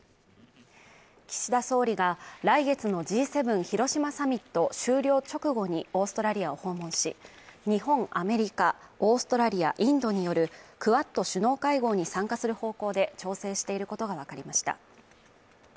岸田総理が来月のＧ７広島サミット終了直後にオーストラリアを訪問し日本、アメリカ、オーストラリア、インドによるクアッド首脳会合に参加する方向で調整していることがわかりました。